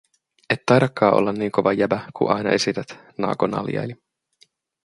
Et taidakkaa olla nii kova jäbä, ku aina esität", Naoko naljaili.